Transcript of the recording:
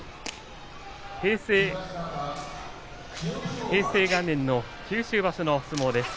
平成元年の九州場所の相撲です。